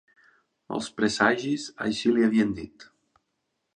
Els presagis així l'hi havien dit.